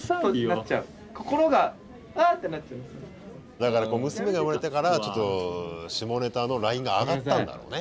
だから娘が生まれたからちょっと下ネタのラインが上がったんだろうね。